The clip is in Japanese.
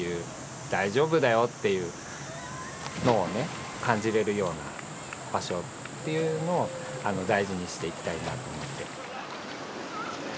「大丈夫だよ」っていうのをね感じれるような場所っていうのを大事にしていきたいなと思って。